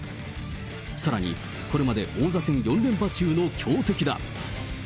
さらにこれまで王座戦４連覇中の強敵だ。